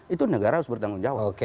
itu negara harus bertanggung jawab